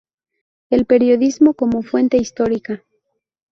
El periodismo como fuente histórica".